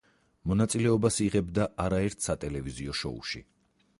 მონაწილეობას იღებდა არაერთ სატელევიზიო შოუში.